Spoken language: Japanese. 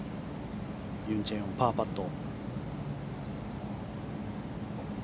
ユン・チェヨンパーパット。